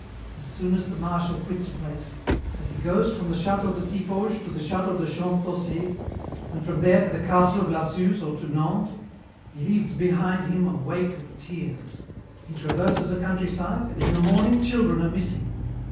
As soon as the Marshal quits a place, as he goes from the château de Tiffauges to the château de Champtocé, and from there to the castle of La Suze or to Nantes, he leaves behind him a wake of tears. He traverses a countryside and in the morning children are missing.